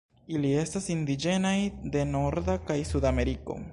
Ili estas indiĝenaj de Norda kaj Sudameriko.